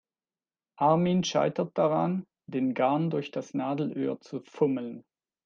Armin scheitert daran, den Garn durch das Nadelöhr zu fummeln.